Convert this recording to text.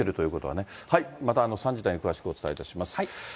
はい、また３時台に詳しくお伝えいたします。